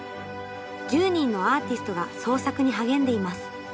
１０人のアーティストが創作に励んでいます。